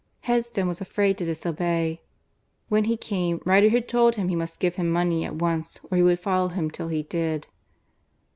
Headstone was afraid to disobey. When he came, Riderhood told him he must give him money at once or he would follow him till he did.